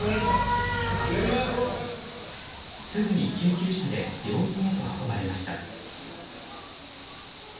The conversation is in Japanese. すぐに救急車で病院へと運ばれました。